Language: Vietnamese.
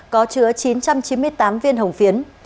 có chứa chín trăm chín mươi tám viên hồng phiến